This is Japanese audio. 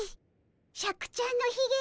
シャクちゃんのひげ？